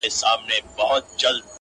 هغه وايي يو درد مي د وزير پر مخ گنډلی!!